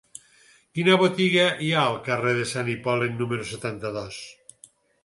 Quina botiga hi ha al carrer de Sant Hipòlit número setanta-dos?